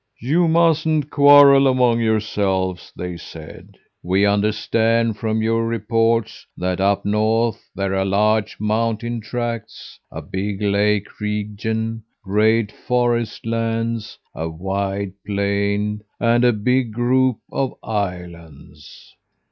"'You mustn't quarrel among yourselves,' they said. 'We understand from your reports that up north there are large mountain tracts, a big lake region, great forest lands, a wide plain, and a big group of islands.